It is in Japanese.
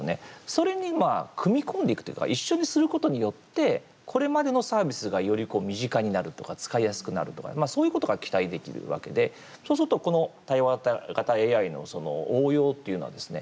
それに組み込んでいくというか一緒にすることによってこれまでのサービスがより身近になるとか使いやすくなるとかそういうことが期待できるわけでそうすると、この対話型ＡＩの応用っていうのはですね